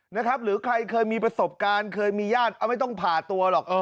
หรือใครเคยมีประสบการณ์เคยมีญาติไม่ต้องผ่าตัวหรอก